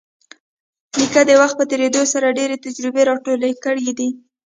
نیکه د وخت په تېرېدو سره ډېرې تجربې راټولې کړي دي.